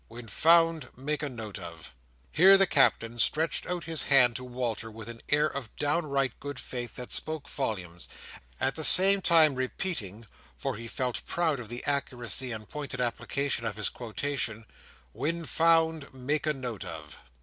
When found, make a note of." Here the Captain stretched out his hand to Walter, with an air of downright good faith that spoke volumes; at the same time repeating (for he felt proud of the accuracy and pointed application of his quotation), "When found, make a note of."